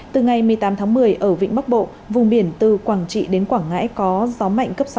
từ ngày một mươi tám tháng một mươi ở vịnh bắc bộ vùng biển từ quảng trị đến quảng ngãi có gió mạnh cấp sáu